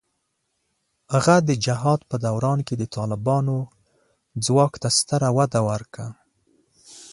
هغه د جهاد په دوران کې د طالبانو ځواک ته ستره وده ورکړه.